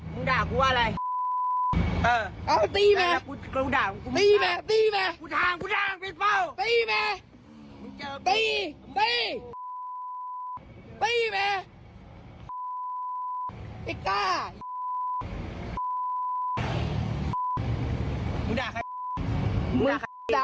มึงหยิบคอกูอะ